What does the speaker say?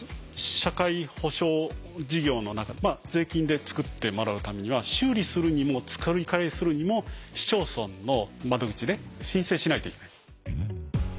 社会保障事業の中税金で作ってもらうためには修理するにも作り替えするにも市町村の窓口で申請しないといけないです。